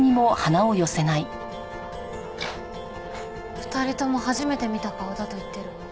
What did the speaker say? ２人とも初めて見た顔だと言ってるわ。